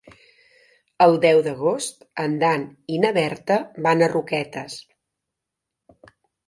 El deu d'agost en Dan i na Berta van a Roquetes.